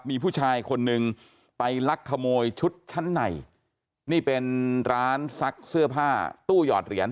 มีผู้ชายคนนึงไปลักขโมยชุดชั้นในนี่เป็นร้านซักเสื้อผ้าตู้หยอดเหรียญ